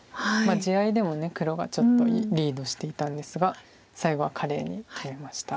地合いでも黒がちょっとリードしていたんですが最後は華麗に決めました。